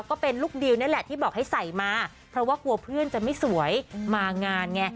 ก็เป็นลูกดิวนี่แหละที่บอกให้ใส่มาเพราะว่ากลัวเพื่อนจะไม่สวยมางานไง